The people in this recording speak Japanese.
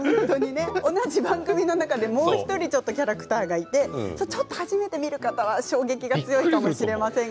同じ番組の中でもう１人キャラクターがいて初めて見る方は衝撃が強いかもしれません。